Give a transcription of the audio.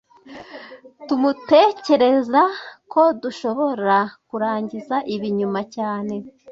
Tmutekereza ko dushobora kurangiza ibi nyuma cyane